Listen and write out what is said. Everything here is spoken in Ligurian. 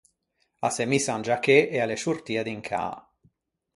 A s’é missa un giachê e a l’é sciortia d’in cà.